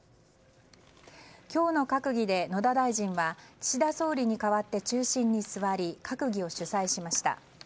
今日の閣議で野田大臣は岸田総理に代わって中心に座り閣議を主宰しました。